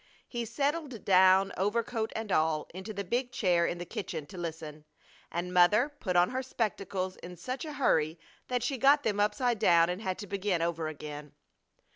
He settled down, overcoat and all, into the big chair in the kitchen to listen; and Mother put on her spectacles in such a hurry that she got them upside down and had to begin over again.